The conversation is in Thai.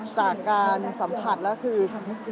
จากการสัมผัสแล้วคือ